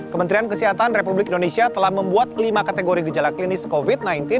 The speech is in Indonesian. kementerian kesehatan republik indonesia telah membuat lima kategori gejala klinis covid sembilan belas